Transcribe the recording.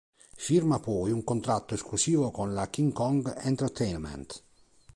Firma poi un contratto esclusivo con la King Kong Entertainment.